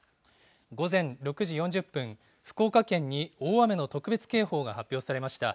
午前６時４０分、福岡県に大雨の特別警報が発表されました。